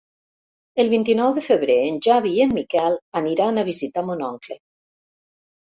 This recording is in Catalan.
El vint-i-nou de febrer en Xavi i en Miquel aniran a visitar mon oncle.